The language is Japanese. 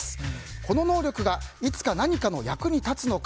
この能力がいつか何かの役に立つのか。